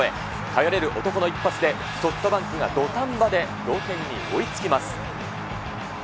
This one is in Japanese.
頼れる男の一発で、ソフトバンクが土壇場で同点に追いつきます。